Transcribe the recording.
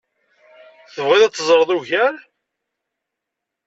Tebɣiḍ ad teẓreḍ ugar?